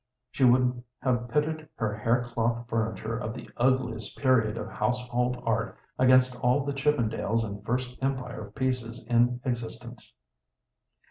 She would have pitted her hair cloth furniture of the ugliest period of household art against all the Chippendales and First Empire pieces in existence.